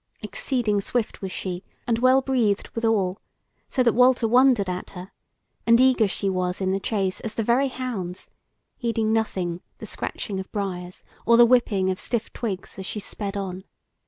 Exceeding swift was she, and well breathed withal, so that Walter wondered at her; and eager she was in the chase as the very hounds, heeding nothing the scratching of briars or the whipping of stiff twigs as she sped on.